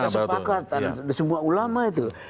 kesepakatan semua ulama itu